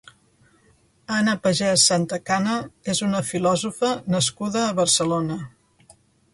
Anna Pagès Santacana és una filòsofa nascuda a Barcelona.